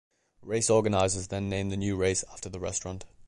Race organizers then named the new race after the restaurant.